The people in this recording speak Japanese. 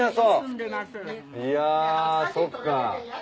いやそっか。